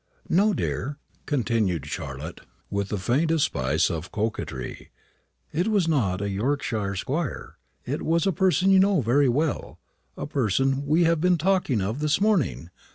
"No, dear," continued Charlotte, with the faintest spice of coquetry; "it was not a Yorkshire squire. It was a person you know very well; a person we have been talking of this morning.